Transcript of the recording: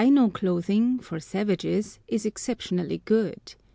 AINO clothing, for savages, is exceptionally good.